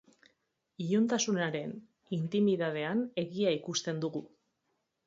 Iluntasunaren intimidadean egia ikusten dugu.